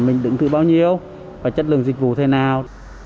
mình đứng thứ bao nhiêu và chất lượng dịch vụ thế nào